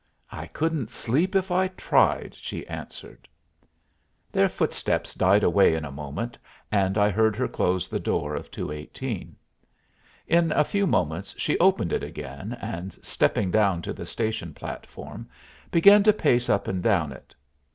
"I couldn't sleep if I tried," she answered. Their footsteps died away in a moment, and I heard her close the door of 218. In a few moments she opened it again, and, stepping down to the station platform, began to pace up and down it.